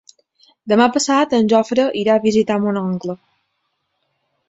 Demà passat en Jofre irà a visitar mon oncle.